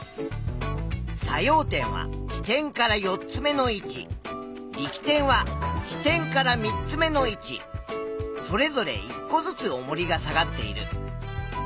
作用点は支点から４つ目の位置力点は支点から３つ目の位置それぞれ１個ずつおもりが下がっている。